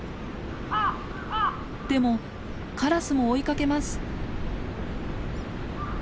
でもカラスも追いかけます。